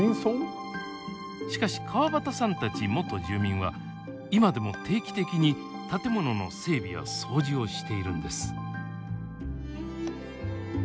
しかし川端さんたち元住民は今でも定期的に建物の整備や掃除をしているんです。